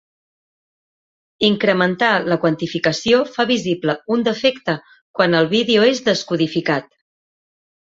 Incrementar la quantificació fa visible un defecte quan el vídeo és descodificat.